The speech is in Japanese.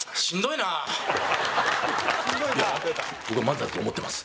「僕は漫才だと思ってます」。